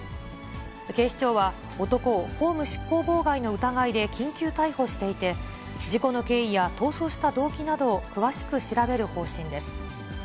警視庁は、男を公務執行妨害の疑いで緊急逮捕していて、事故の経緯や逃走した動機などを詳しく調べる方針です。